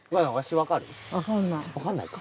分かんないか。